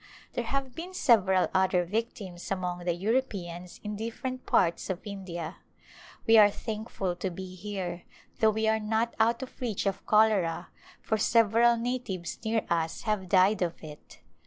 There have been several other victims among the Europeans in different parts of India. We are thankful to be here, though we are not out of reach of cholera, for several natives near us have died of it.